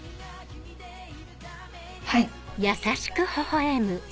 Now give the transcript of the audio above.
はい。